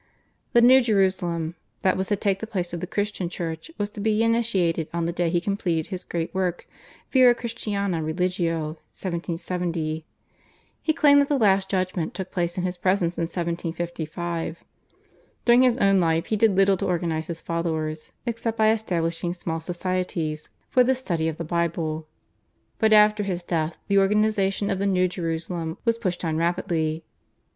The new Jerusalem, that was to take the place of the Christian Church, was to be initiated on the day he completed his great work /Vera Christiana Religio/ (1770). He claimed that the last Judgment took place in his presence in 1757. During his own life he did little to organise his followers except by establishing small societies for the study of the Bible, but after his death the organisation of the new Jerusalem was pushed on rapidly.